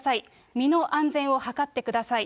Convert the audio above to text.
身の安全を図ってください。